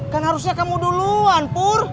kan harusnya kamu duluan pur